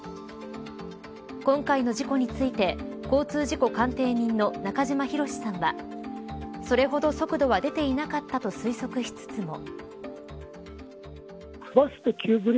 今回の事故について交通事故鑑定人の中島博史さんはそれほど速度は出ていなかったと推測しつつも。